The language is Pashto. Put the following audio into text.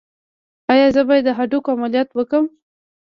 ایا زه باید د هډوکو عملیات وکړم؟